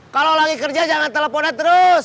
kalau lagi kerja jangan teleponnya terus